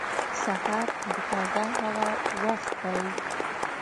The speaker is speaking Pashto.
• سهار د تازه هوا وخت دی.